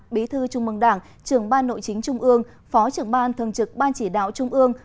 bí thư trung mương đảng trưởng ban nội chính trung ương phó trưởng ban thường trực ban chỉ đạo trung ương